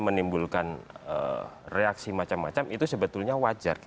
menimbulkan reaksi macam macam itu sebetulnya wajar